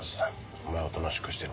お前はおとなしくしてろ。